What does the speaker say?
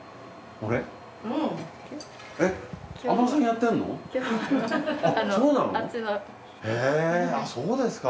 あっちの。へそうですか！